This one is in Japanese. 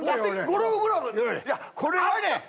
これをね。